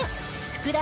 福田